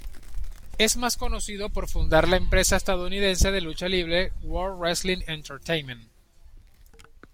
Es más conocido por fundar la empresa estadounidense de lucha libre World Wrestling Entertainment.